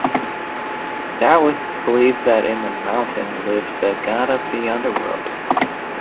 Daoists believed that in the mountain lives the god of the underworld.